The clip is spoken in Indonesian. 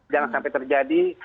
jangan sampai terjadi